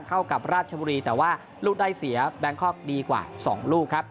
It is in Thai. เข้ากับราชบุรีแต่ว่าลูกได้เสียแบงคอกดีกว่า๒ลูกครับ